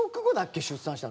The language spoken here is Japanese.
出産したの。